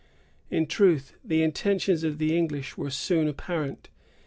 In truth, the intentions of the English were soon apparent.